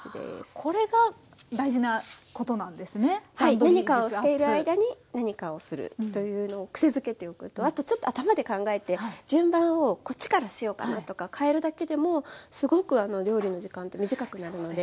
何かをしている間に何かをするというのを癖づけておくとあとちょっと頭で考えて順番をこっちからしようかなとかかえるだけでもすごく料理の時間って短くなるので。